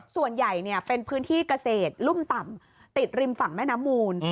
ส่วนใหญ่เป็นพื้นที่เกษตรรุ่มต่ำติดริมฝั่งแม่น้ำมูล